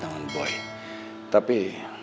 tunggu boy tapi